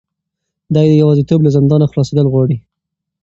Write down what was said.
دی د یوازیتوب له زندانه خلاصېدل غواړي.